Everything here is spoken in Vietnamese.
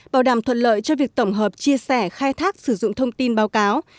bảo đảm thuận lợi cho việc tổng hợp chia sẻ khai thác sử dụng thông tin báo cáo